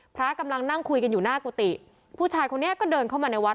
พระกำลังนั่งคุยกันอยู่หน้ากุฏิผู้ชายคนนี้ก็เดินเข้ามาในวัด